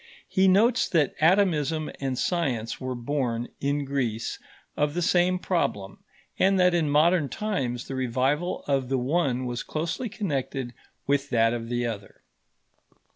He notes that atomism and science were born, in Greece, of the same problem, and that in modern times the revival of the one was closely connected with that of the other.